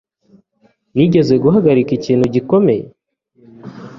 Nigeze guhagarika ikintu gikomeye?